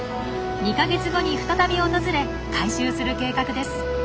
２か月後に再び訪れ回収する計画です。